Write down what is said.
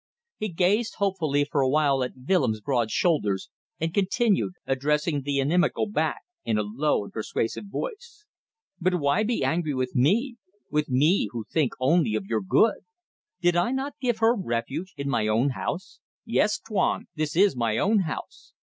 He gazed hopefully for a while at Willems' broad shoulders, and continued, addressing the inimical back, in a low and persuasive voice "But why be angry with me? With me who think only of your good? Did I not give her refuge, in my own house? Yes, Tuan! This is my own house.